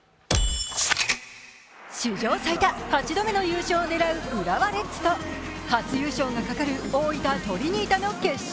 史上最多８度目の優勝を狙う浦和レッズと初優勝がかかる大分トリニータの決勝。